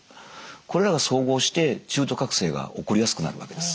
これらが総合して中途覚醒が起こりやすくなるわけです。